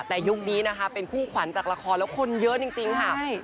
แต่ยุคนี้นะคะเป็นคู่ขวัญจากละครแล้วคนเยอะจริงค่ะ